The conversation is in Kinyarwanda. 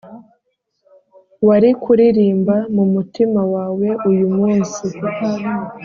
wari kuririmba mumutima wawe uyumunsi